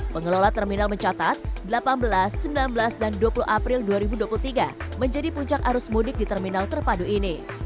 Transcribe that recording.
pengelola terminal mencatat delapan belas sembilan belas dan dua puluh april dua ribu dua puluh tiga menjadi puncak arus mudik di terminal terpadu ini